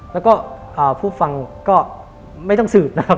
แล้วก็ผู้ฟังก็ไม่ต้องสืบนะครับ